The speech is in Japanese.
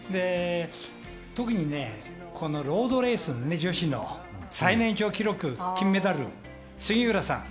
特に女子ロードレース最年長記録、金メダル、杉浦さん。